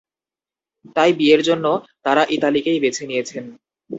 তাই বিয়ের জন্য তাঁরা ইতালিকেই বেছে নিয়েছেন।